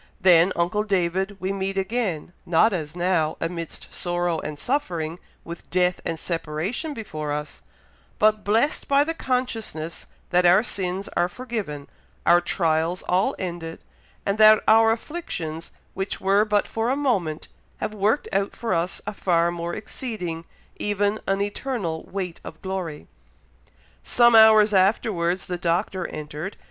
Then, uncle David, we meet again, not as now, amidst sorrow and suffering, with death and separation before us, but blessed by the consciousness that our sins are forgiven, our trials all ended, and that our afflictions which were but for a moment, have worked out for us a far more exceeding, even an eternal weight of glory." Some hours afterwards the Doctor entered.